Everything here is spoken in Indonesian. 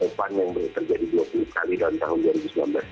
tepatnya yang berterjadi dua puluh kali dalam tahun dua ribu sembilan belas ini